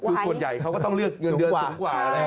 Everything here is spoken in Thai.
คือคนใหญ่เขาก็ต้องเลือกเงินเดือนสูงกว่า